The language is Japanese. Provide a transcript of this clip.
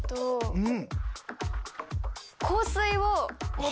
うん。